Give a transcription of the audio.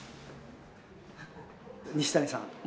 西谷さん。